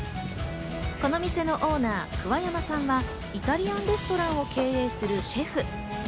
この店のオーナー・桑山さんはイタリアンレストランを経営するシェフ。